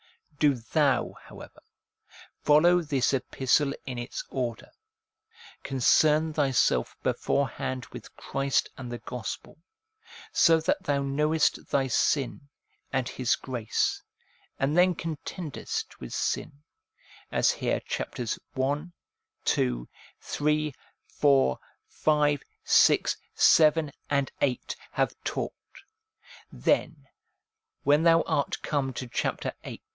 Do thou, however, follow this epistle in its order ; concern thyself beforehand with Christ and the gospel, so that thou knowest thy sin and His grace, and then contendest with sin, as here chapters I., II., III., IV., V., VI., VII., and VIII. have taught. Then, when thou art come to chapter VIII.